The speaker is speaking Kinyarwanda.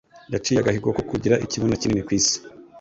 yaciye agahigo ko kugira ikibuno kinini ku isi